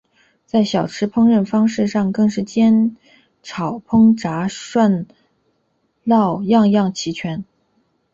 在小吃烹调方式上更是煎炒烹炸烤涮烙样样齐全。